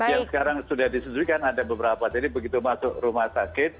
yang sekarang sudah disediakan ada beberapa jadi begitu masuk rumah sakit